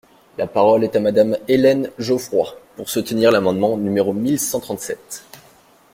La parole est à Madame Hélène Geoffroy, pour soutenir l’amendement numéro mille cent trente-sept.